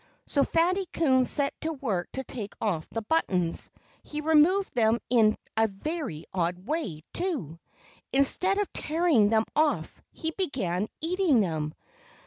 So Fatty Coon set to work to take off the buttons. He removed them in a very odd way, too. Instead of tearing them off he began eating them!